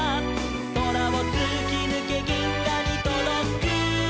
「そらをつきぬけぎんがにとどく」